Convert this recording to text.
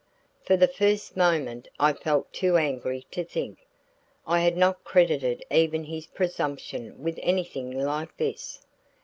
For the first moment I felt too angry to think; I had not credited even his presumption with anything like this.